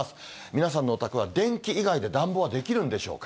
皆さんのお宅は、電気以外で暖房はできるんでしょうか？